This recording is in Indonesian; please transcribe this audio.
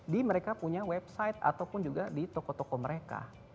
di mereka punya website ataupun juga di toko toko mereka